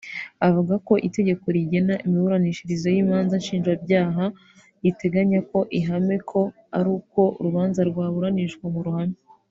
Avuga ko itegeko rigena imiburanishirize y’imanza nshinjabyaha riteganya ko ihame ko ari uko urubanza rwaburanishwa mu ruhame